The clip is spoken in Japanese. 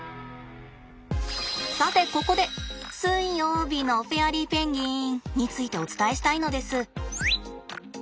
さてここで「水曜日のフェアリーペンギン」についてお伝えしたいのです。